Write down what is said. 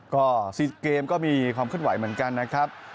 ก็๔เกมก็มีความเคลื่อนไหวเหมือนกันนะครับ